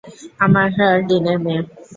আমার ডীনের মেয়ে।